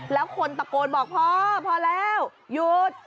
แล้วคนตะโกนบอกพอพอแล้วหยุด